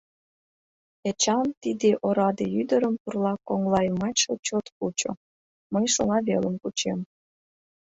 Эчан тиде ораде ӱдырым пурла коҥлайымачше чот кучо, мый шола велым кучем.